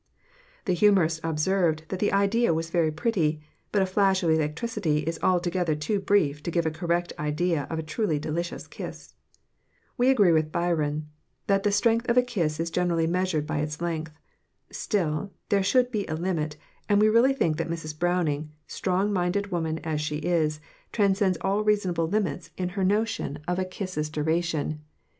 The humorist observed that the idea was very pretty, "but a flash of electricity is altogether too brief to give a correct idea of a truly delicious kiss." We agree with Byron that the strength of a kiss is generally measured by its length. Still, there should be a limit, and we really think that Mrs. Browning, strong minded woman as she is, transcends all reasonable limits in her notions of a kiss's duration.